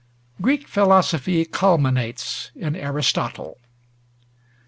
Greek philosophy culminates in Aristotle.